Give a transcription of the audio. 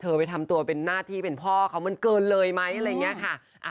ไปทำตัวเป็นหน้าที่เป็นพ่อเขามันเกินเลยไหมอะไรอย่างนี้ค่ะ